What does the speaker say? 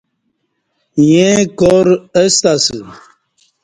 ییں کار استہ اسہ